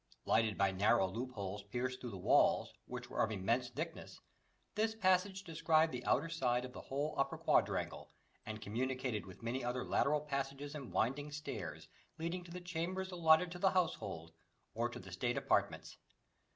Lighted by narrow loopholes pierced through the walls, which were of immense thickness, this passage described the outer side of the whole upper quadrangle, and communicated with many other lateral passages and winding stairs leading to the chambers allotted to the household or to the state apartments.